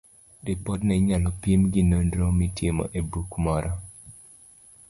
Ripodno inyalo pim gi nonro mitimo e buk moro